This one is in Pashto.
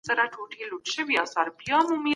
څوک د نورو په ژوند تجاوز کوي؟